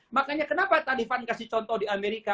makanya kenapa tadi fan memberikan contoh di amerika